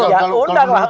ya undang lah